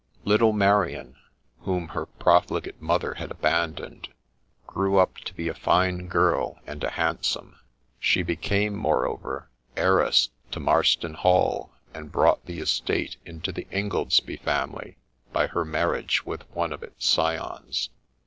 Little Marian, whom her profligate mother had abandoned, grew up to be a fine girl, and a handsome. She became, more over, heiress to Marston Hall, and brought the estate into the Ingoldsby family by her marriage with one of its scions.